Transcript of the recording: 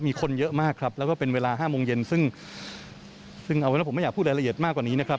มีคนเยอะมากครับแล้วก็เป็นเวลา๕โมงเย็นซึ่งซึ่งเอาเป็นว่าผมไม่อยากพูดรายละเอียดมากกว่านี้นะครับ